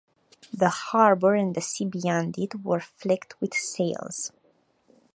The harbour and the sea beyond it were flecked with sails.